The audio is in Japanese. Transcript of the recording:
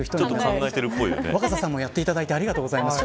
若狭さんもやっていただいてありがとうございます。